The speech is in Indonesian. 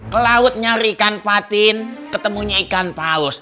kelaut nyari ikan patin ketemunya ikan paus